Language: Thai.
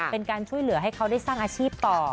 เป็นการช่วยเหลือให้เขาได้สร้างอาชีพต่อ